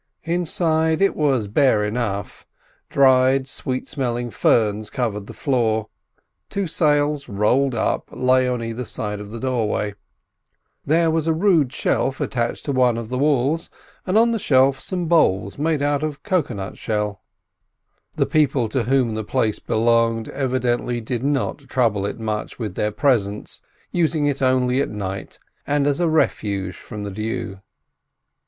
Inside it was bare enough. Dried, sweet smelling ferns covered the floor. Two sails, rolled up, lay on either side of the doorway. There was a rude shelf attached to one of the walls, and on the shelf some bowls made of cocoa nut shell. The people to whom the place belonged evidently did not trouble it much with their presence, using it only at night, and as a refuge from the dew.